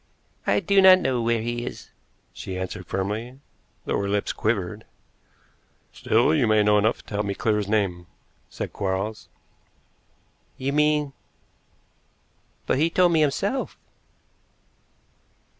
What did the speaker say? "I do not know where he is," she answered firmly, though her lips quivered. "Still, you may know enough to help me to clear his name," said Quarles. "You mean but he told me himself."